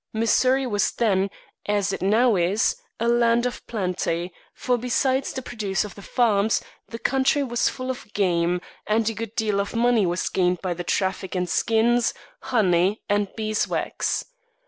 Missouri was then, as it now is, a land of plenty; for besides the produce of the farms, the country was full of game, and a good deal of money was gained by the traffic in skins, honey, and beeswax.